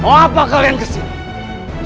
mau apa kalian kesini